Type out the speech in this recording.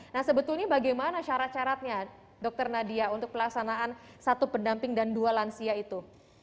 nah sebetulnya bagaimana syarat syaratnya dr nadia untuk pelaksanaan satu pendamping dan dua lansia itu